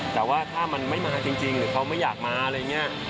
แต่ว่าถ้ามันไม่มาจริงหรือเขาไม่อยากมาอะไรอย่างนี้